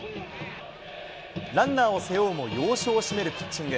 ランナーを背負うも要所を締めるピッチング。